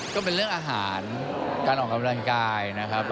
ก็เป็นเรื่องอาหารการออกกำลังกายนะครับ